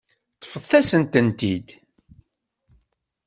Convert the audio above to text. Ṭṭfet-asen-ten-id.